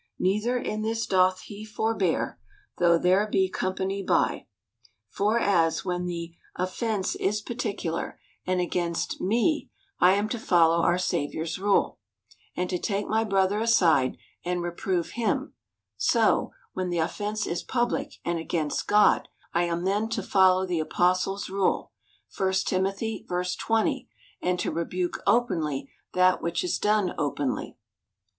Neither in this doth he forbear, though there be com pany by. For as, when the offence is particular, and THE COUNTRY PARSON. 37 asjainst me, I am to follow our Saviour's rule, and to take ray brother aside and z eprove him ; so, when the offence is public, and against God, I am then to follow the apostle's rule (1 Tim. v. 20), and to rebuke openly that which is done openly.